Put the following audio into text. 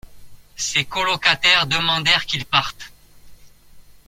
Ses colocataires demandèrent qu’il parte.